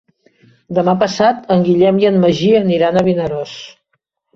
Demà passat en Guillem i en Magí aniran a Vinaròs.